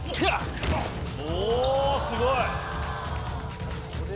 おすごい！